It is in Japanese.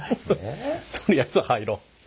とりあえず入ろう。